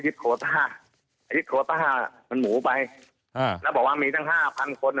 ยิดโครต่ามันหมูไปอ่าแล้วบอกว่ามีตั้งห้าพันคน